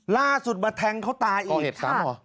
ล่าสุดมาแทงเขาตายอีก